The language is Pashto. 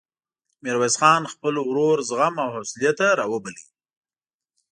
ميرويس خان خپل ورور زغم او حوصلې ته راوباله.